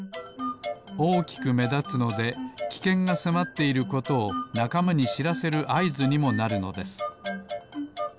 おおきくめだつのできけんがせまっていることをなかまにしらせるあいずにもなるのです。